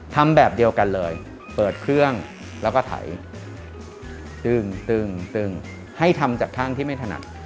ทำแบบเดียวกันเลยเปิดเครื่องแล้วก็ไถซึ่งซึ่งให้ทำจากข้างที่ไม่ถนัด